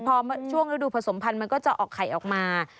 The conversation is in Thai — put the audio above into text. พอช่วงฤดูผสมพันธุ์มันก็จะออกไข่ออกมา